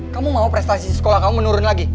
kamu mau prestasi sekolah kamu menurun lagi